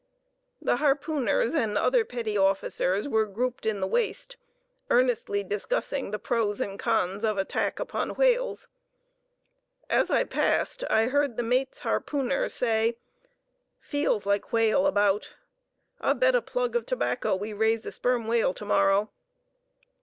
The harpooners and other petty officers were grouped in the waist, earnestly discussing the pros and cons of attack upon whales. As I passed I heard the mate's harpooner say, "Feels like whale about. I bet a plug (of tobacco) we raise sperm whale to morrow."